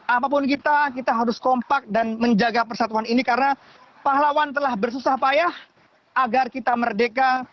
apapun kita kita harus kompak dan menjaga persatuan ini karena pahlawan telah bersusah payah agar kita merdeka